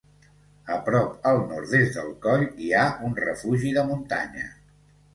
A prop al nord-est del coll hi ha un refugi de muntanya.